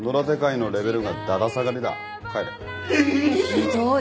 ひどい。